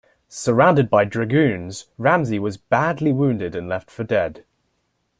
Surrounded by dragoons, Ramsey was badly wounded and left for dead.